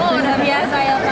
oh udah biasa ya